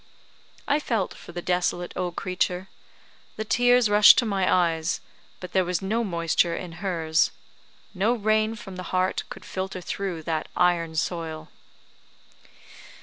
I felt for the desolate old creature the tears rushed to my eyes; but there was no moisture in hers. No rain from the heart could filter through that iron soil.